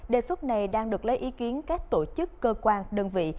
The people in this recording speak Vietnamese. đề xuất này đang được lấy ý kiến các tổ chức cơ quan đơn vị